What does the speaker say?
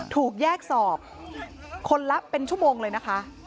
ถูกแยกสอบคนละเป็นชั่วโมงเลยนะคะ